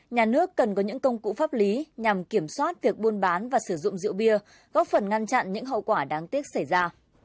nhà nước cần có những công cụ pháp lý nhằm kiểm soát việc buôn bán và sử dụng rượu bia góp phần ngăn chặn những hậu quả đáng tiếc xảy ra